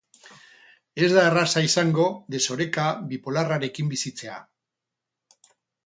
Ez da erraza izango desoreka bipolarrarekin bizitzea.